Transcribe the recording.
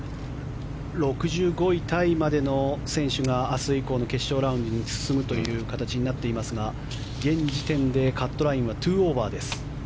６５位タイまでの選手が明日以降の決勝ラウンドに進むという形になっていますが現時点でカットラインは２オーバーです。